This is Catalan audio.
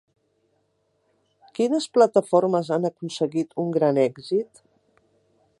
Quines plataformes han aconseguit un gran èxit?